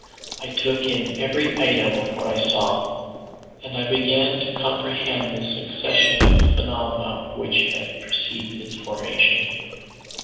I took in every item of what I saw, and I began to comprehend the succession of phenomena which had preceded its formation.